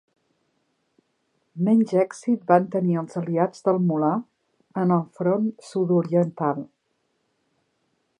Menys èxit van tenir els aliats del mul·là en el front sud-oriental.